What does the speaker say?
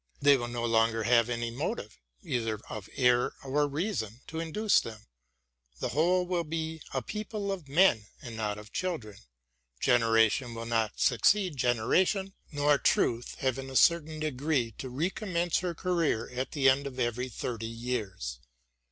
They will no longer have any motive, either of error or reason, to induce them. The whole win be a people of men, and not of children. Generation will not succeed generation, nor truth have in a certain degree to recommence her career at the end of every thirty years.